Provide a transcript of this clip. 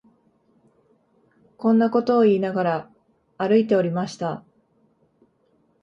こんなことを言いながら、歩いておりました